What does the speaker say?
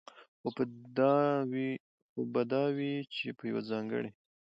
خو به دا وي، چې په يوه ځانګړي